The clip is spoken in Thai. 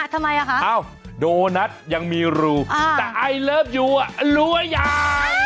ทำไมอ่ะคะโดนัทยังมีรูแต่ไอเลิฟยูรั้วใหญ่